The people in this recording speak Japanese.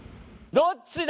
どっちだ？